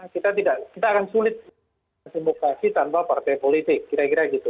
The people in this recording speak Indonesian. kita akan sulit demokrasi tanpa partai politik kira kira gitu